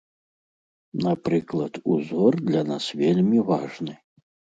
Напрыклад, узор для нас вельмі важны.